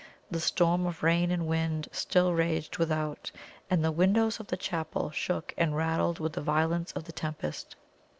The storm of rain and wind still raged without, and the windows of the chapel shook and rattled with the violence of the tempest.